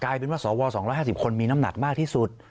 เป็นว่าสว๒๕๐คนมีน้ำหนักมากที่สุด